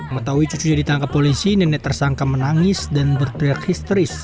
mengetahui cucunya ditangkap polisi nenek tersangka menangis dan berteriak histeris